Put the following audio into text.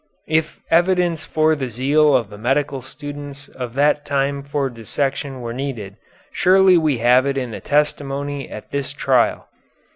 If evidence for the zeal of the medical students of that time for dissection were needed, surely we have it in the testimony at this trial.